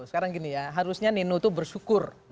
sekarang gini ya harusnya neno tuh bersyukur